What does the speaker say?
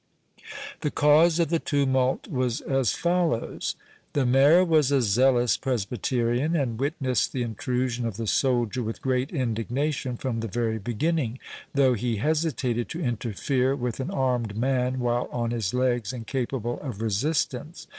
The cause of the tumult was as follows:—The Mayor was a zealous Presbyterian, and witnessed the intrusion of the soldier with great indignation from the very beginning, though he hesitated to interfere with an armed man while on his legs and capable of resistance.